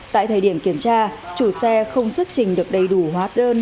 tại thời điểm kiểm tra chủ xe không xuất trình được đầy đủ hóa đơn